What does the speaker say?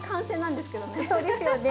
そうですよね。